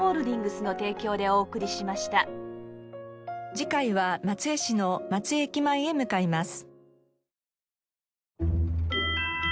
次回は松江市の松江駅前へ向かいます。